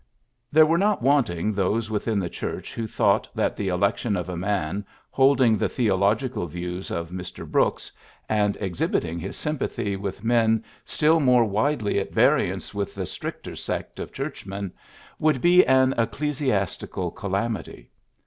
There were not wanting those within the church who thought that the election of a man holding the theological views of Mr. Brooks, and exhibiting his PHILLIPS BROOKS 97 sympathy with men still more widely at variance with the stricter sect of Church men, would be an ecclesiasticiil calamity.